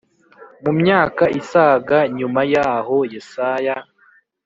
Mu myaka isaga nyuma y aho Yesaya